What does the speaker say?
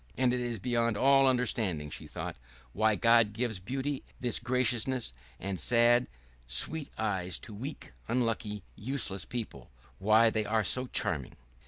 "And it is beyond all understanding," she thought, "why God gives beauty, this graciousness, and sad, sweet eyes to weak, unlucky, useless people why they are so charming."